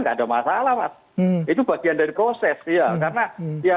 nggak ada masalah mas itu bagian dari proses iya karena ya